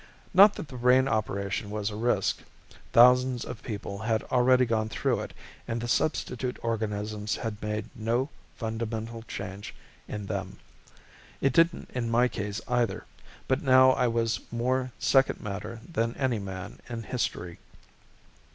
Not that the brain operation was a risk; thousands of people had already gone through it and the substitute organisms had made no fundamental change in them. It didn't in my case either. But now I was more second matter than any man in history.